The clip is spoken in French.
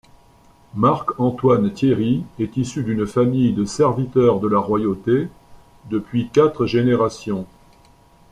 Marc-Antoine Thierry est issu d'une famille de serviteurs de la royauté depuis quatre générations.